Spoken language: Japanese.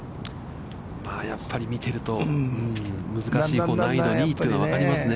やっぱり見ていると難しい、難易度２位というのが分かりますね。